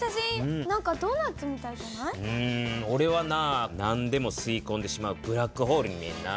おれは何でもすいこんでしまうブラックホールに見えんな。